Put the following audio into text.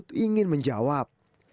pancasila juga ingin menjawab